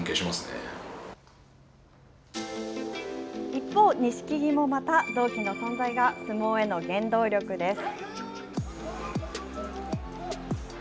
一方、錦木もまた同期の存在が相撲への原動力です。